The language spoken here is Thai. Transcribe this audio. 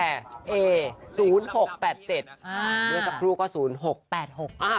เลขสวยค่ะ